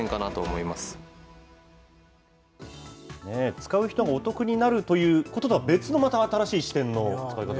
使う人もお得になるということとは別にまた新しい視点の使い